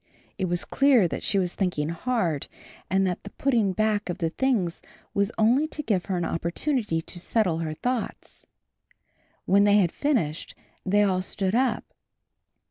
It was clear that she was thinking hard and that the putting back of the things was only to give her an opportunity to settle her thoughts. When they had finished they all stood up.